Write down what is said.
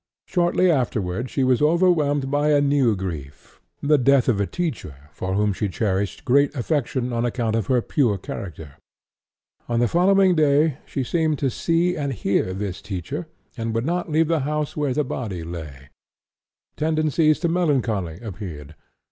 Shortly afterward she was overwhelmed by a new grief, the death of a teacher for whom she cherished great affection on account of her pure character. On the following day she seemed to see and hear this teacher, and would not leave the house where the body lay. Tendencies to melancholy appeared.